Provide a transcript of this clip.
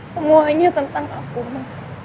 semuanya tentang aku ma